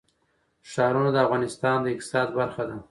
ښارونه د افغانستان د اقتصاد برخه ده.